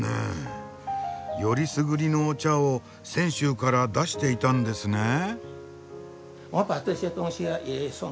よりすぐりのお茶を泉州から出していたんですねえ。